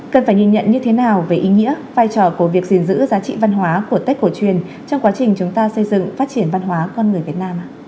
cần phải nhìn nhận như thế nào về ý nghĩa vai trò của việc gìn giữ giá trị văn hóa của tết cổ truyền trong quá trình chúng ta xây dựng phát triển văn hóa con người việt nam ạ